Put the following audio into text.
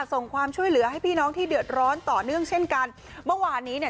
ส่งความช่วยเหลือให้พี่น้องที่เดือดร้อนต่อเนื่องเช่นกันเมื่อวานนี้เนี่ย